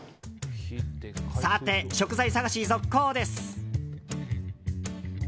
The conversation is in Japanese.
さて、食材探し続行です。